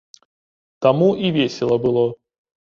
Таму і весела было.